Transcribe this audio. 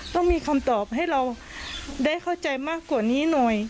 ต้องมีคำตอบให้เราได้เข้าใจมากกว่านี้หน่อย